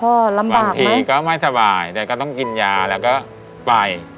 ก็ลำบากบางทีก็ไม่สบายแต่ก็ต้องกินยาแล้วก็ไป